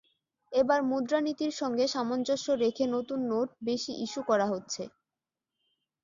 এবার মুদ্রানীতির সঙ্গে সামঞ্জস্য রেখে নতুন নোট বেশি ইস্যু করা হচ্ছে।